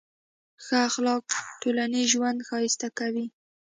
ښه اخلاق ټولنیز ژوند ښایسته کوي.